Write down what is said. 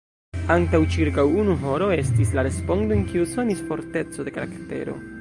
Antaŭ ĉirkaŭ unu horo, estis la respondo, en kiu sonis forteco de karaktero.